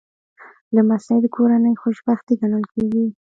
لمسی د کورنۍ خوشبختي ګڼل کېږي.